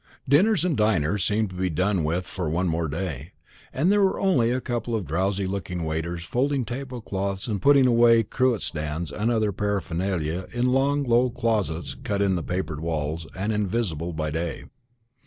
Dinners and diners seemed to be done with for one more day; and there were only a couple of drowsy looking waiters folding table cloths and putting away cruet stands and other paraphernalia in long narrow closets cut in the papered walls, and invisible by day.